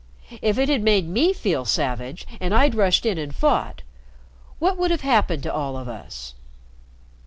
If it had made me feel savage and I'd rushed in and fought, what would have happened to all of us?"